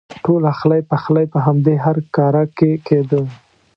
ټول اخلی پخلی په همدې هرکاره کې کېده.